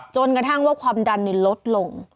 จนกระทั่งว่าความดันลดลง